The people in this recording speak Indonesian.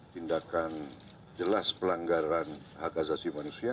tindakan jelas pelanggaran hak asasi manusia